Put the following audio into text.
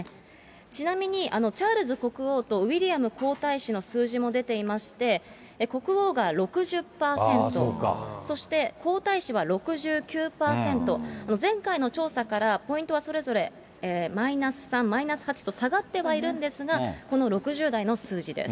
ちなみにチャールズ国王とウィリアム皇太子の数字も出ていまして、国王が６０％、そして皇太子は６９％、前回の調査から、ポイントはそれぞれマイナス３、マイナス８と下がってはいるんですが、この６０台の数字です。